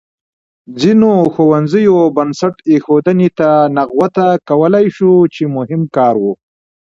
ځینو ښوونځیو بنسټ ایښودنې ته نغوته کولای شو چې مهم کار و.